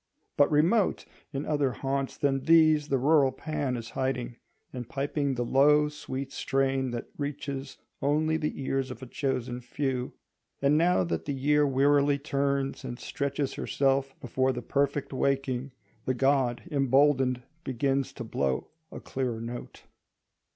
But remote in other haunts than these the rural Pan is hiding, and piping the low, sweet strain that reaches only the ears of a chosen few. And now that the year wearily turns and stretches herself before the perfect waking, the god emboldened begins to blow a clearer note.